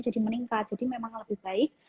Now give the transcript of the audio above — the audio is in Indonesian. jadi meningkat jadi memang lebih baik